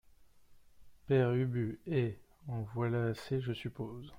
Père Ubu Eh ! en voilà assez, je suppose.